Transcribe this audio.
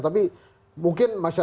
setelah itu memiliki keberagaman inggris